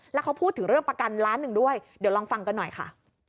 แล้วเขาพูดถึงเรื่องประกันล้านหนึ่งด้วยเดี๋ยวลองฟังกันหน่อยค่ะ